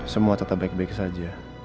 semua tetap baik baik saja